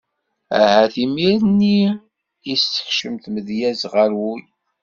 Ahat imir-nni i s-tekcem tmedyazt ɣer wul.